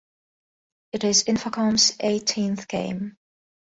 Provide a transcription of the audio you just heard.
It is Infocom's eighteenth game.